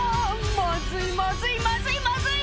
まずいまずいまずいまずい！